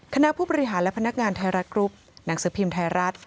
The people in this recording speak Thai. คณะผู้บริหารและพนักงานไทยรัฐกรุ๊ปหนังสือพิมพ์ไทยรัฐ